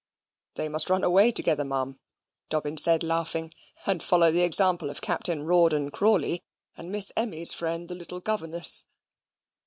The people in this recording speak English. "They must run away together, Ma'am," Dobbin said, laughing, "and follow the example of Captain Rawdon Crawley, and Miss Emmy's friend the little governess."